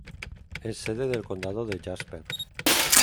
Es sede del condado de Jasper.